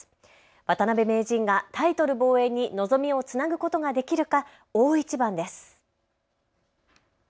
渡辺名人がタイトル防衛に望みをつなぐことができるか大一番です。